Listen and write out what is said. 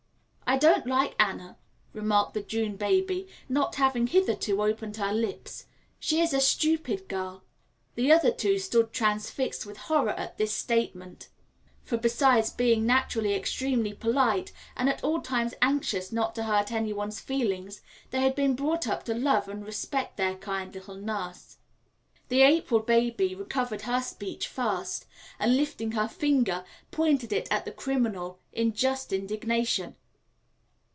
"I don't like Anna," remarked the June baby, not having hitherto opened her lips; "she is a stupid girl." The other two stood transfixed with horror at this statement, for, besides being naturally extremely polite, and at all times anxious not to hurt any one's feelings, they had been brought up to love and respect their kind little nurse. The April baby recovered her speech first, and lifting her finger, pointed it at the criminal in just indignation.